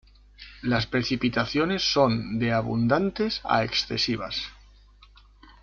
Las precipitaciones son de abundantes a excesivas.